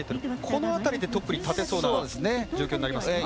この辺りでトップに立てそうな状況になりますか。